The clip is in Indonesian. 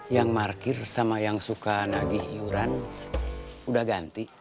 yang markir sama yang suka nagih iuran udah ganti